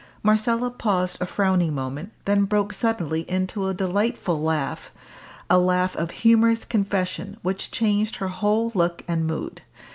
Marcella paused a frowning moment, then broke suddenly into a delightful laugh a laugh of humorous confession, which changed her whole look and mood.